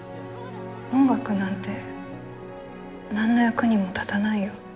音楽なんて何の役にも立たないよ。